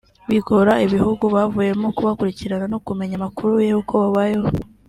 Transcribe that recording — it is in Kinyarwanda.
bigora ibihugu bavuyemo kubakurikirana no kumenya amakuru y’uko babayeho